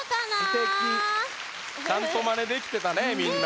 すてき！ちゃんとマネできてたねみんな。